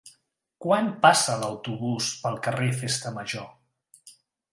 Quan passa l'autobús pel carrer Festa Major?